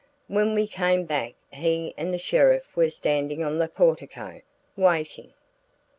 When we came back he and the sheriff were standing on the portico, waiting.